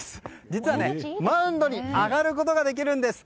実は、マウンドに上がることができるんです。